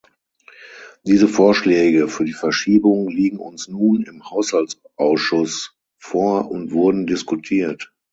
Diese Vorschläge für die Verschiebung liegen uns nun im Haushaltsausschuss vor und wurden diskutiert.